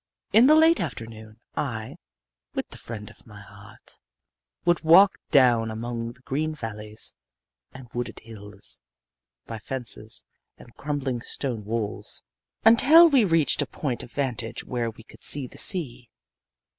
In the late afternoon I, with the friend of my heart, would walk down among the green valleys and wooded hills, by fences and crumbling stone walls, until we reached a point of vantage where we could see the sea.